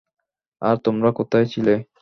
আরে তোমরা কোথায় ছিলে?